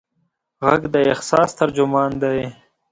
غږ د احساس ترجمان دی.